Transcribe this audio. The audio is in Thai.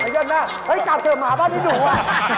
ย่อนหน้าเฮ้ยจับเธอหมาบ้านิดหนึ่งว่ะ